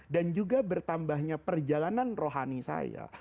dan juga bertambahnya perjalanan rohani saya